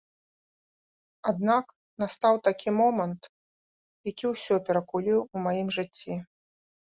Аднак настаў такі момант, які ўсё перакуліў у маім жыцці.